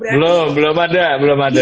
belum belum ada belum ada